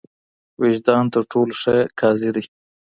وجدان تر ټولو ښه قاضي دی.